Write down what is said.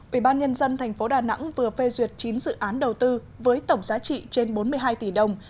ủy ban nhân dân tp đà nẵng vừa phê duyệt chín dự án đầu tư với tổng giá trị trên bốn mươi hai tỷ đồng